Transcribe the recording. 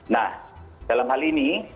nah dalam hal ini